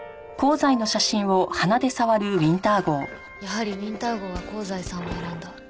やはりウィンター号は香西さんを選んだ。